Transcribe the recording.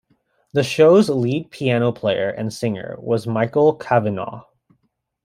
The show's lead piano player and singer was Michael Cavanaugh.